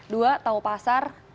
dua tahu pasar